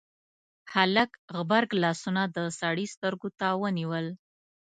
هلک غبرګ لاسونه د سړي سترګو ته ونيول: